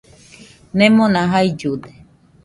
Nemona jaillude.